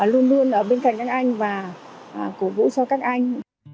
luôn luôn ở bên cạnh các anh và cổ vũ cho các anh